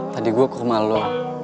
tadi gue ke rumah lu